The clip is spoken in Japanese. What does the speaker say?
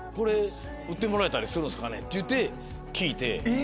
売ってもらえたりするんですか？って聞いて。